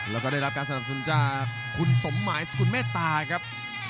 แล้วก็ได้รับการสนับสนุนจากคุณสมหมายสกุลเมตตาครับ